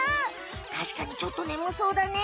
たしかにちょっとねむそうだね。